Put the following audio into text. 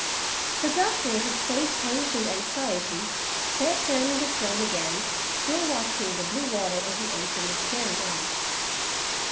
The Doctor, his face tense with anxiety, sat down in the throne again still watching the blue water of the ocean with staring eyes.